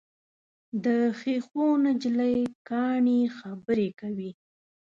د ښیښو نجلۍ کاڼي خبرې کوي.